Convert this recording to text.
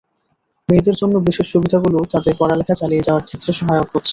মেয়েদের জন্য বিশেষ সুবিধাগুলো তাদের পড়ালেখা চালিয়ে যাওয়ার ক্ষেত্রে সহায়ক হচ্ছে।